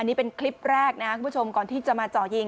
นี่เป็นคลิปแรกนะครับคุณผู้ชมก่อนที่จะมาเจาะยิง